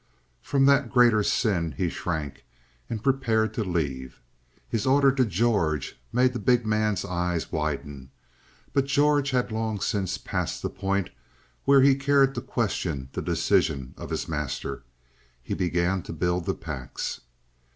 From that greater sin he shrank, and prepared to leave. His order to George made the big man's eyes widen, but George had long since passed the point where he cared to question the decision of his master. He began to build the packs.